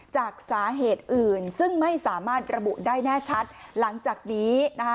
จากสาเหตุอื่นซึ่งไม่สามารถระบุได้แน่ชัดหลังจากนี้นะคะ